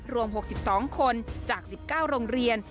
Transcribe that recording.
รวม๖๒คนจาก๑๙โรงเรียน